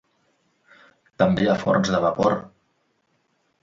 També hi ha forns de vapor.